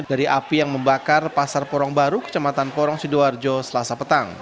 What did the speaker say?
dari api yang membakar pasar porong baru kecamatan porong sidoarjo selasa petang